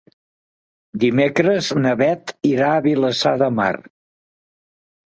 Dimecres na Beth irà a Vilassar de Mar.